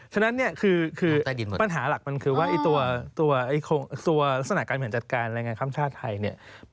ฉะนั้นเนี่ยปัญหาหลักมันคือว่าตัวลักษณะการบินการจัดการความชาติไทย